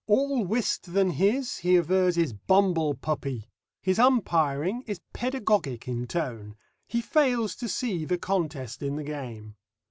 All whist than his he avers is "Bumble puppy." His umpiring is pedagogic in tone; he fails to see the contest in the game.